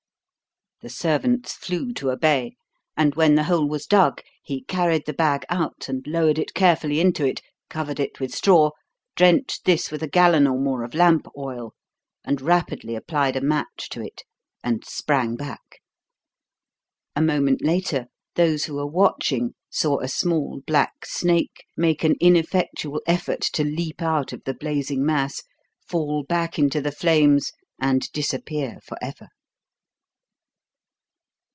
The servants flew to obey, and when the hole was dug he carried the bag out and lowered it carefully into it, covered it with straw, drenched this with a gallon or more of lamp oil, and rapidly applied a match to it and sprang back. A moment later those who were watching saw a small black snake make an ineffectual effort to leap out of the blazing mass, fall back into the flames and disappear for ever.